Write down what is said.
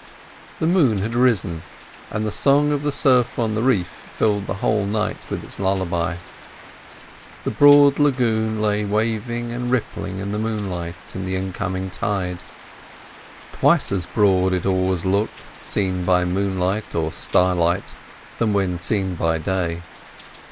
The moon had risen, and the song of the surf on the reef filled the whole night with its lullaby. The broad lagoon lay waving and rippling in the moonlight to the incoming tide. Twice as broad it always looked seen by moonlight or starlight than when seen by day.